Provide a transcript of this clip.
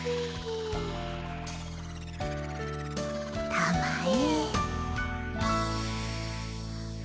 たまえ。